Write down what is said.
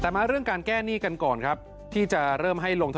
แต่มาเรื่องการแก้หนี้กันก่อนครับที่จะเริ่มให้ลงทะ